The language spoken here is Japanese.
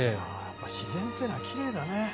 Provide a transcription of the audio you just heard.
自然というのは奇麗だね。